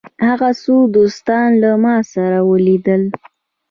هغه څو دوستان له ما سره ولیدل.